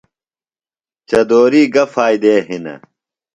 چدُوری گہ فائدےۡ ہنِہ؟